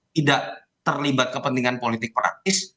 tidak terlibat kepentingan politik praktis